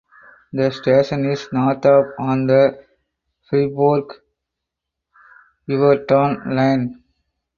The station is north of on the Fribourg–Yverdon line.